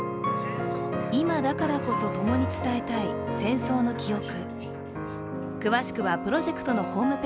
今だからこそ共に伝えたい戦争の記憶。